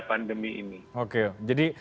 pandemi ini oke jadi